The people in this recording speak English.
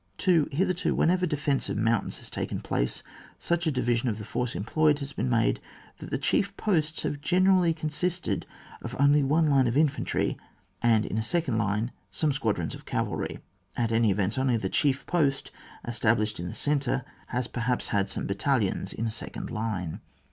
2. Hitherto, wherever defence of mountains has taken place, such a divi sion of the force employed has been made that the chief posts have generally consisted of only one line of infantry, and in a second line, some squadrons of cavalry ; at all events, only the chief post established in the centre has perhaps had some battalions in a second line.